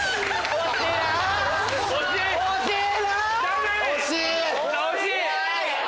惜しいな！